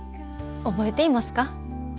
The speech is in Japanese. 覚えていますか？